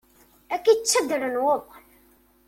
Ad k-id-ttaddren wuḍan.